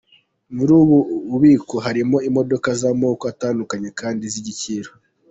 Muri ubu bubiko harimo imodoka z'amako atandukanye kandi z'igiciro.